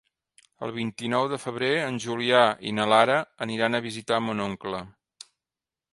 El vint-i-nou de febrer en Julià i na Lara aniran a visitar mon oncle.